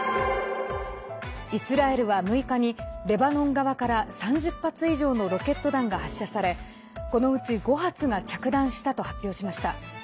イスラエルは６日にレバノン側から３０発以上のロケット弾が発射されこのうち５発が着弾したと発表しました。